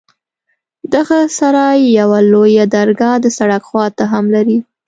دغه سراى يوه لويه درګاه د سړک خوا ته هم لري.